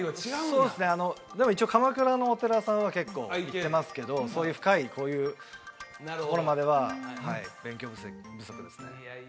そうですねでも一応鎌倉のお寺さんは結構行ってますけどそういう深いこういうところまでははい勉強不足ですね